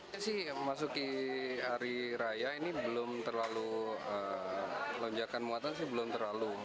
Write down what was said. saya sih memasuki hari raya ini belum terlalu lonjakan muatan sih belum terlalu